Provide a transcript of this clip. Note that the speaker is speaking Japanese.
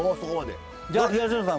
じゃあ東野さん